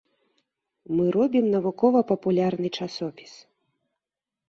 Мы робім навукова-папулярны часопіс.